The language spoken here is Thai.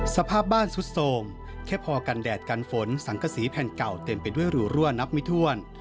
สภาพบ้านสุดโสมแค่พอกันแดดกันฝนสังกษีแผ่นเก่าเต็มไปด้วยรูรั่วนับไม่ถ้วน